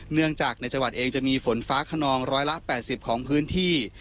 เนื่องจากในจังหวัดเองจะมีฝนฟ้าขนองร้อยละ๘๐ของพื้นที่